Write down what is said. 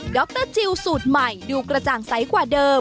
ด็อกเตอร์จิลสูตรใหม่ดูกระจ่างใสกว่าเดิม